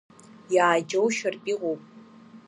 Иааџьоушьаратә иҟоуп!